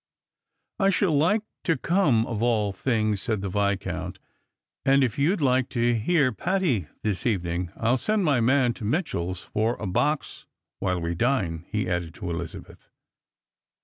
"I should like to come of all things," said the Viscount. "And if you'd like to hear Patti this evening, I'll send my man to Mitchell's for a box while we dine," he added to Elizabeth.